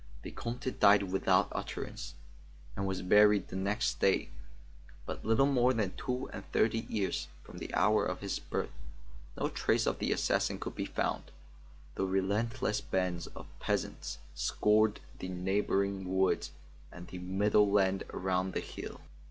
The Comte died without utterance, and was buried the next day, but little more than two and thirty years from the hour of his birth. No trace of the assassin could be found, though relentless bands of peasants scoured the neighboring woods and the meadow land around the hill.